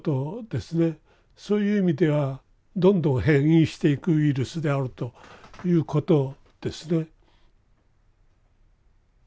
そういう意味ではどんどん変異していくウイルスであるということですね。